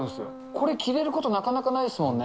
これ着れること、なかなかないですもんね。